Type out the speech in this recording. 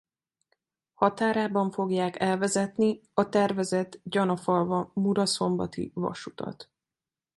Határában fogják elvezetni a tervezett gyanafalva-muraszombati vasutat.